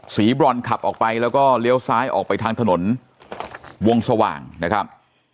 บรอนขับออกไปแล้วก็เลี้ยวซ้ายออกไปทางถนนวงสว่างนะครับ